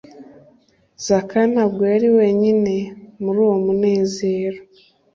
Zakayo ntabwo yari wenyine muri uwo munezero,